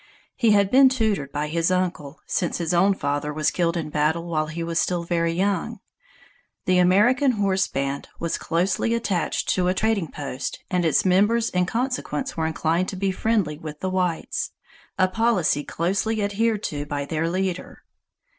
He had been tutored by his uncle, since his own father was killed in battle while he was still very young. The American Horse band was closely attached to a trading post, and its members in consequence were inclined to be friendly with the whites, a policy closely adhered to by their leader.